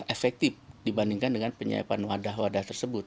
efektif dibandingkan dengan penyiapan wadah wadah tersebut